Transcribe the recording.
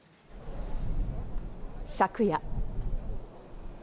昨夜。